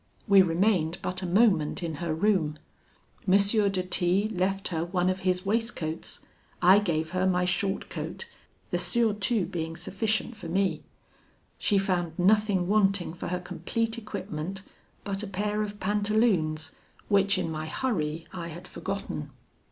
We remained but a moment in her room. M. de T left her one of his waistcoats; I gave her my short coat, the surtout being sufficient for me. She found nothing wanting for her complete equipment but a pair of pantaloons, which in my hurry I had forgotten.